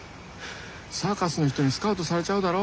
サーカスの人にスカウトされちゃうだろ。